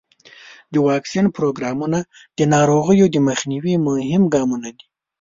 د واکسین پروګرامونه د ناروغیو د مخنیوي مهم ګامونه دي.